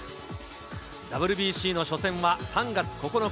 ＷＢＣの初戦は３月９日。